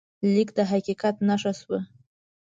لیک د حقیقت نښه شوه.